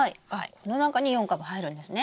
この中に４株入るんですね。